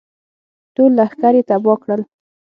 ټول لښکر یې تباه کړل.